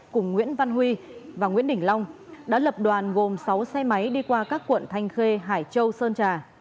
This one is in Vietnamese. cùng nguyễn văn huy và nguyễn đình long đã lập đoàn gồm sáu xe máy đi qua các quận thanh khê hải châu sơn trà